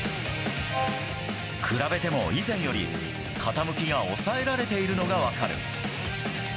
比べても、以前より傾きが抑えられているのが分かる。